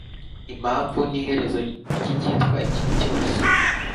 impamvu n'iherezo ry'icyitwa ikibi cyose